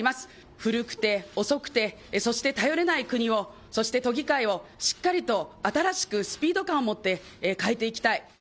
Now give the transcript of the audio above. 古くて遅くて、そして頼れない国を、そして都議会をしっかりと新しく、スピード感を持って変えていきたい。